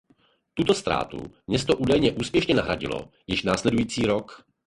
Tuto ztrátu město údajně úspěšně nahradilo již následující rok.